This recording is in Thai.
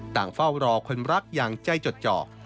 เฝ้ารอคนรักอย่างใจจดจอก